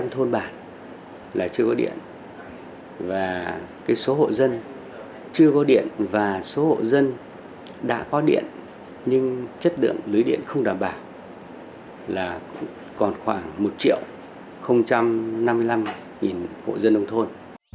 tỷ lệ số hộ dân nông thôn đã có điện nhưng chất lượng lưới điện không đảm bảo là còn khoảng một triệu năm mươi năm hộ dân nông thôn